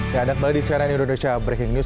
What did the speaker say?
ya anda kembali di cnn indonesia breaking news